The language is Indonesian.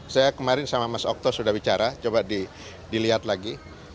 saya kemarin sama mas okto sudah bicara coba dilihat lagi